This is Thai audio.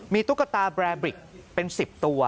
มีตุ๊กตาแบรบริกเป็น๑๐ตัว